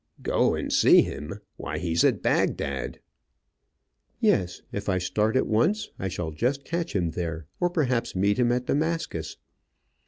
"Go and see him! Why, he's at Bagdad." "Yes. If I start at once I shall just catch him there, or perhaps meet him at Damascus."